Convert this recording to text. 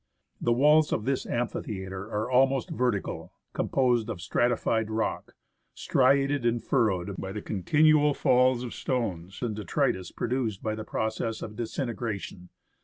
The walls of this amphitheatre are almost vertical, composed of stratified rock, striated and furrowed by the continual falls of stones and detritus produced by the process of disintegration.